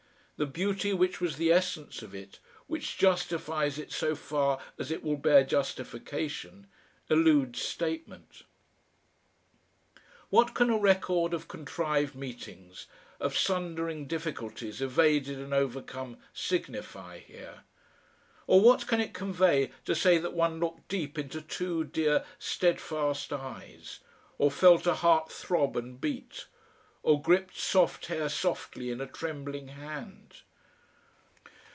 The beauty which was the essence of it, which justifies it so far as it will bear justification, eludes statement. What can a record of contrived meetings, of sundering difficulties evaded and overcome, signify here? Or what can it convey to say that one looked deep into two dear, steadfast eyes, or felt a heart throb and beat, or gripped soft hair softly in a trembling hand?